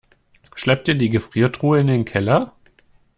Schleppt ihr die Gefriertruhe in den Keller?